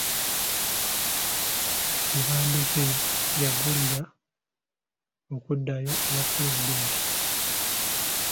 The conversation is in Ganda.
Tebandeke yagulirira okuddayo ewa Pulezidenti.